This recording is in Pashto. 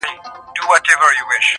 • له حیا له حُسنه جوړه ترانه یې,